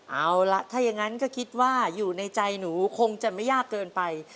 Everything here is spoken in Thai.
เอาล่ะถ้าอย่างนั้นก็คิดว่าอยู่ในใจหนูคงจะไม่ยากเกินไป